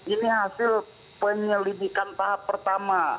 ini hasil penyelidikan tahap pertama